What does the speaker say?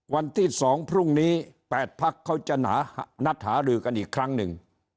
วันที่๒พรุ่งนี้๘พักเขาจะนัดหารือกันอีกครั้งหนึ่ง